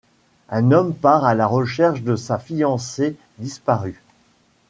Un homme part à la recherche de sa fiancée disparue.